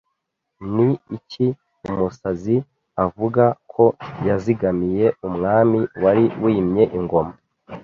Ni iki umusizi avuga ko yazigamiye umwami wari wimye ingoma